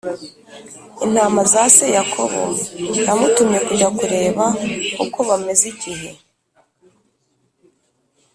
intama za se Yakobo yamutumye kujya kureba uko bameze Igihe